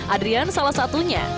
adrian salah satunya